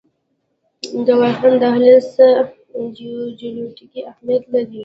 د واخان دهلیز څه جیوپولیټیک اهمیت لري؟